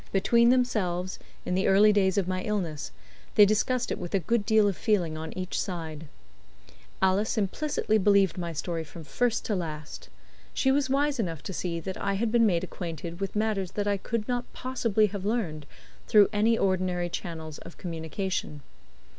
Between themselves, in the early days of my illness, they discussed it with a good deal of feeling on each side. Alice implicitly believed my story from first to last. She was wise enough to see that I had been made acquainted with matters that I could not possibly have learned through any ordinary channels of communication.